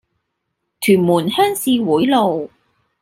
屯門鄉事會路